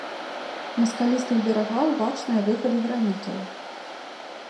На скалістых берагах бачныя выхады гранітаў.